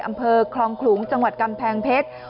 อำเภอคลองขลุงจังหวัดกำแพงเพชร